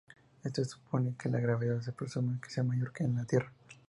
Esto supone, que la gravedad se presume que sea mayor que en la tierra.